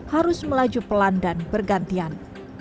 harus melaju pelan dan bergantian